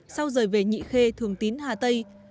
sau rời về nhị khê thường tín hà tây